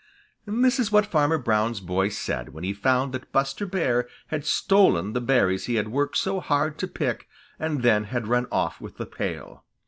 That is what Farmer Brown's boy said when he found that Buster Bear had stolen the berries he had worked so hard to pick and then had run off with the pail.